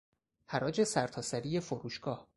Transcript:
حراج سرتاسری فروشگاه